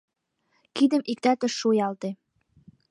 Кидым иктат ыш шуялте.